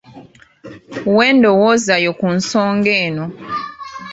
Wa endowooza yo ku nsonga eno.